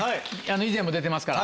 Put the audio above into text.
以前も出てますから